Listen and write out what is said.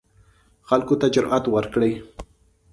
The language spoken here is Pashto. خلکو ته جرئت ورکړي